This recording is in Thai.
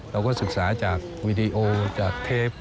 เราก็ศึกษาจากวีดีโอจากเทป